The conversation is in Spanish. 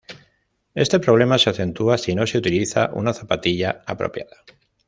Este problema se acentúa si no se utiliza una zapatilla apropiada.